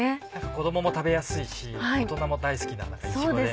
子供も食べやすいし大人も大好きないちごで。